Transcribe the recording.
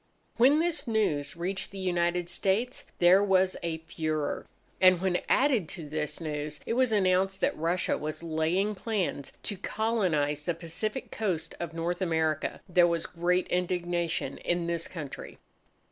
When this news reached the United States, there was a furore. And, when added to this news, it was announced that Russia was laying plans to colonize the Pacific coast of North America, there was great indignation in this country.